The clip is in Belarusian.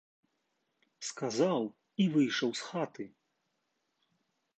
Сказаў і выйшаў з хаты.